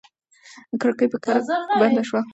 کړکۍ په کراره بنده شوه.